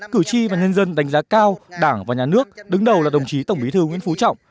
cử tri và nhân dân đánh giá cao đảng và nhà nước đứng đầu là đồng chí tổng bí thư nguyễn phú trọng